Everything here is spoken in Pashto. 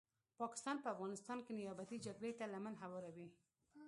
پاکستان په افغانستان کې نیابتې جګړي ته لمن هواروي